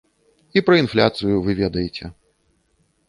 І пра інфляцыю вы ведаеце.